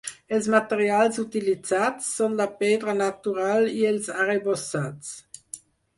Els materials utilitzats són la pedra natural i els arrebossats.